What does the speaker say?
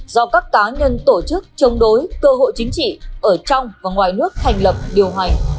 do các cá nhân tổ chức chống đối cơ hội chính trị ở trong và ngoài nước thành lập điều hành